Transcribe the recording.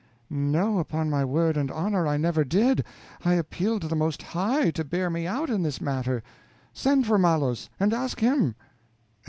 No, upon my word and honor, I never did; I appeal to the Most High to bear me out in this matter. Send for Malos, and ask him.